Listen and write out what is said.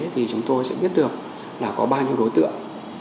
thì chúng tôi sẽ biết được là có bao nhiêu đối tượng